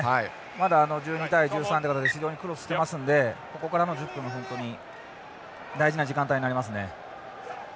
まだ１２対３ってことで非常にクロスしてますのでここからの１０分が本当に大事な時間帯になりますね。